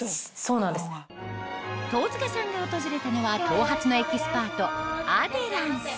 東塚さんが訪れたのは頭髪のエキスパートアデランス